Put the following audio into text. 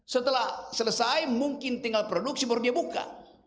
setelah selesai mungkin tinggal produksi baru dia buka